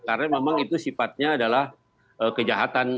karena memang itu sifatnya adalah kejahatan